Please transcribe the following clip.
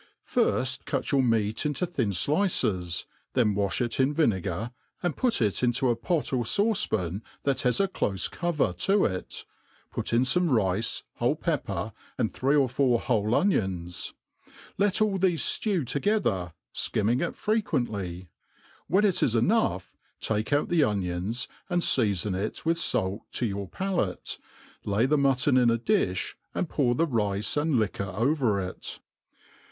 FIRST cut your o^at into thin flroes, then wafli' it m vU segar, and put it ilito sw pot or fauce^pan that ha$ a clofe coveir tt) it, put in fooie rice, whole pepper, and three or four whofe onions ; let ali thefe flew together, flcimming it frequently i wfaen it is eoough^ take oiu the ohbns, and feafon it vriih fait toyo^ui^ p4lat8, lay the mutton in the4iih, aifd pour the lioe aod U^uor oy^r it.